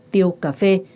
tiêu cà phê